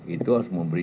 itu harus memberi